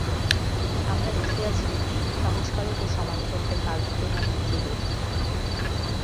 আমরা দেখিয়াছি, সংস্কারক ও সমালোচকদের কার্যপ্রণালী কিরূপ।